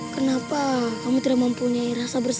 kenapa kamu tidak mempunyai rasa bersama